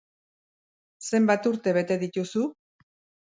Zenbat urte bete dituzu?